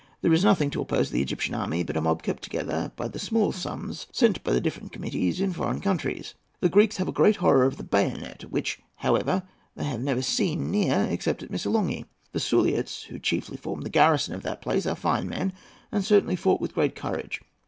There is nothing to oppose the Egyptian army but a mob kept together by the small sums sent by the different committees in foreign countries. The Greeks have a great horror of the bayonet, which, however, they have never seen near, except at Missolonghi. The Suliots, who chiefly formed the garrison of that place, are fine men, and certainly fought with great courage.